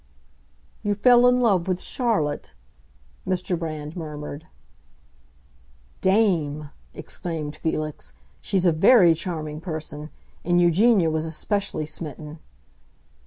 "You fell in love with Charlotte?" Mr. Brand murmured. "Dame!" exclaimed Felix, "she's a very charming person; and Eugenia was especially smitten."